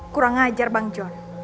kurang ajar bang john